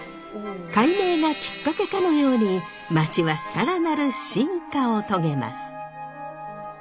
改名がきっかけかのように街はさらなる進化を遂げます。